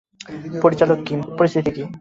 পরিচালক কিম, পরিস্থিতি কী?